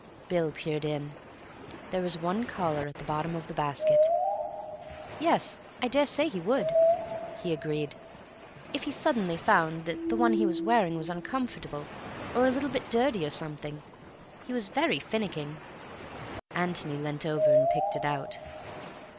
Bill peered in. There was one collar at the bottom of the basket. "Yes. I daresay he would," he agreed. "If he suddenly found that the one he was wearing was uncomfortable or a little bit dirty, or something. He was very finicking." Antony leant over and picked it out.